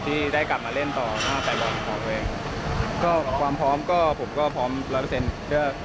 ที่ได้กลับมาเล่นต่อหน้าแฟนบอลของตัวเองก็ความพร้อมก็ผมก็พร้อมร้อยเปอร์เซ็นต์เพื่อ